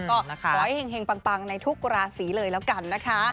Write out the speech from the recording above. ก็ขอให้เห็งปังในทุกราศีเลยแล้วกันนะคะ